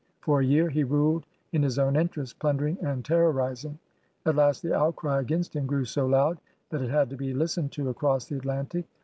For a year he ruled in his own interest, plundering and terroriz ing. At last the outcry against him grew so loud that it had to be listened to across the Atlantic.